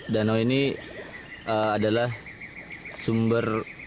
danau ini adalah sumber